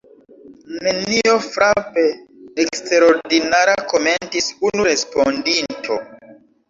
Nenio frape eksterordinara, komentis unu respondinto.